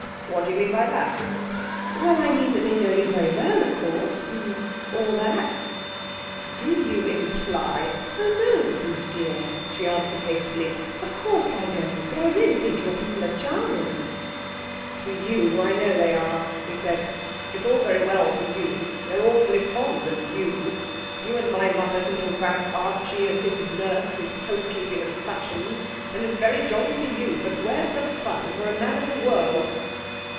'What do you mean by that?' 'Well, I mean they know you very well, of course ... and all that.' 'Do you imply...?' 'Oh, no, Bruce dear,' she answered hastily; 'of course I don't. But really I think your people are charming' 'To you I know they are,' said he. 'It's all very well for you. They are awfully fond of you. You and my mother can talk about Archie and his nurse and housekeeping and fashions, and it's very jolly for you, but where's the fun for a man of the world?'